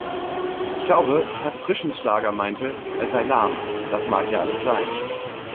Ich glaube, Herr Frischenschlager meinte, er sei lahm das mag ja alles sein.